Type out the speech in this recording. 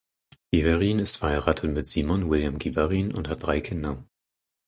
Giverin ist verheiratet mit Simon William Giverin und hat drei Kinder.